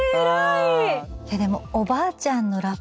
いやでもおばあちゃんのラッパーが。